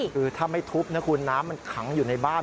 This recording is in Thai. คือถ้าไม่ทุบนะคุณน้ำมันขังอยู่ในบ้าน